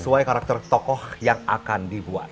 sesuai karakter tokoh yang akan dibuat